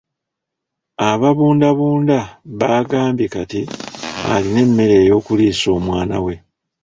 Ababundabunda baagambye kati alina emmere ey'okuliisa omwana we.